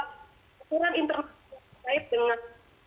kekuran internasional terkait dengan